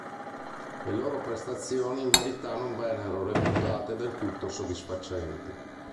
Le loro prestazioni in verità non vennero reputate del tutto soddisfacenti.